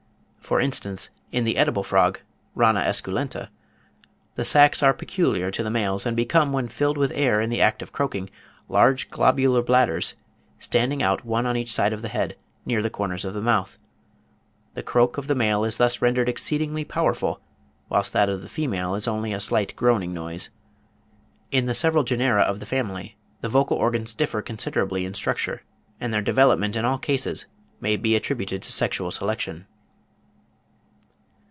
(49. J. Bishop, in 'Todd's Cyclopaedia of Anatomy and Physiology,' vol. iv. p. 1503.) For instance, in the edible frog (Rana esculenta) "the sacs are peculiar to the males, and become, when filled with air in the act of croaking, large globular bladders, standing out one on each side of the head, near the corners of the mouth." The croak of the male is thus rendered exceedingly powerful; whilst that of the female is only a slight groaning noise. (50. Bell, ibid. pp. 112 114.) In the several genera of the family the vocal organs differ considerably in structure, and their development in all cases may be attributed to sexual selection.